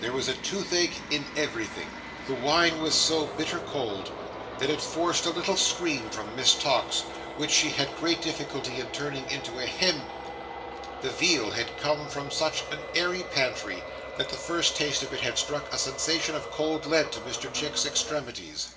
There was a toothache in everything. The wine was so bitter cold that it forced a little scream from Miss Tox, which she had great difficulty in turning into a "Hem!" The veal had come from such an airy pantry, that the first taste of it had struck a sensation as of cold lead to Mr Chick's extremities.